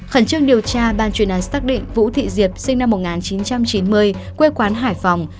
khẩn trương điều tra ban chuyên án xác định vũ thị diệp sinh năm một nghìn chín trăm chín mươi quê quán hải phòng